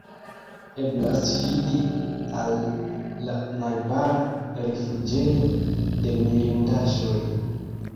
Eblas fidi al la najbara rifuĝejo de Mirindaĵoj.